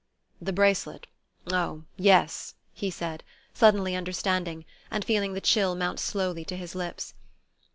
"The bracelet? Oh, yes," he said, suddenly understanding, and feeling the chill mount slowly to his lips.